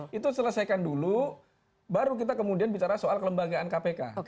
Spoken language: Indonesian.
jadi kita selesaikan dulu baru kita kemudian bicara soal kelembagaan kpk